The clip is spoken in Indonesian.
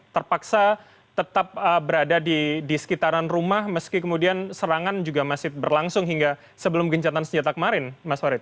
terpaksa tetap berada di sekitaran rumah meski kemudian serangan juga masih berlangsung hingga sebelum gencatan senjata kemarin mas warid